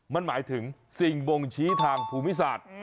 มันหมายถึงสิ่งบ่งชี้ทางภูมิศาสตร์